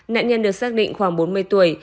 nạn nhân được xác định khoảng bốn mươi tuổi